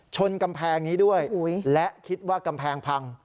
ชนกำแพงนี้ด้วยและคิดว่ากำแพงพัง